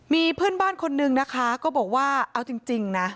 มีเพื่อนบ้านคนนึงนะคะก็บอกว่าเอาจริงนะ